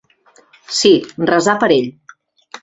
Sí, resar per ell.